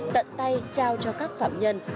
tận tay trao cho các phạm nhân